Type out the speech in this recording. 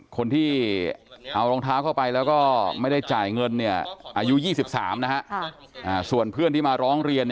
คนที่เอารองเท้าเข้าไปแล้วก็ไม่ได้จ่ายเงินอายุ๒๓ส่วนเพื่อนที่มาร้องเรียน